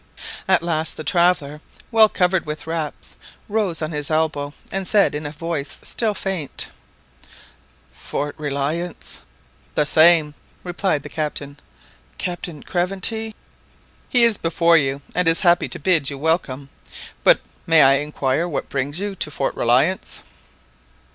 At last the traveller, well covered with wraps, rose on his elbow, and said in a voice still faint "Fort Reliance?" "The same," replied the Captain. "Captain Craventy?" "He is before you, and is happy to bid you welcome. But may I inquire what brings you to Fort Reliance?"